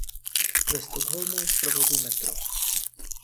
Ve Stockholmu je v provozu metro.